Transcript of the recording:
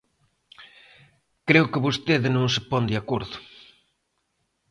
Creo que vostede non se pon de acordo.